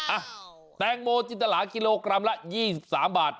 อ่ะแตงโมจินตลากิโลกรัมละ๒๓บาท